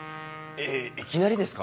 えっいきなりですか？